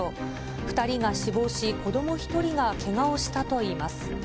２人が死亡し、子ども１人がけがをしたといいます。